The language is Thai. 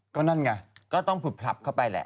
ก็นั่นไงก็ต้องผึบพลับเข้าไปแหละ